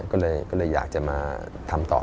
ก็เลยอยากจะมาทำต่อ